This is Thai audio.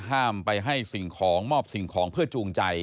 ห้ามไปให้สิ่งของมอบสิ่งของเพื่อจูงใจ